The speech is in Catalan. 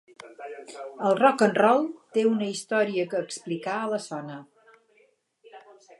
El Rock'n'Roll té una història que explicar a la zona.